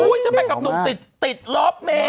อุ้ยจะไปกับนุ่มติดลบแม่